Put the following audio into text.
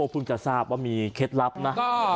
เพิ่งจะทราบว่ามีเคล็ดลับนะ